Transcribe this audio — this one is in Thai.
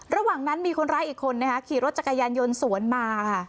ระหว่างนั้นมีคนร้ายอีกคนนะคะขี่รถจักรยานยนต์สวนมาค่ะ